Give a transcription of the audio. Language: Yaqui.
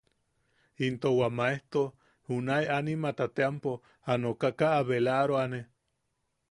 Into wa maejto junae animata teampo a nokaka a belaroane.